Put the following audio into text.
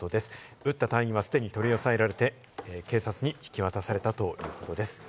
撃った隊員は既に取り押さえられて警察に引き渡されたということです。